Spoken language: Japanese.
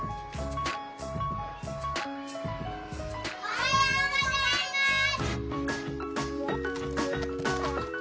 おはようございます！